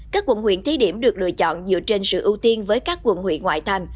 các quận huyện thi điểm được lựa chọn dựa trên sự ưu tiên với các quận huyện ngoại thành